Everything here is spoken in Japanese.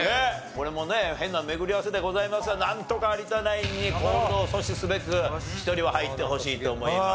これもね変な巡り合わせではございますがなんとか有田ナインにコールドを阻止すべく１人は入ってほしいと思います。